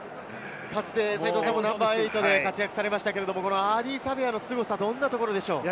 かつて斉藤さんもナンバー８で活躍されましたが、アーディー・サヴェアのすごさはどんなところでしょうか？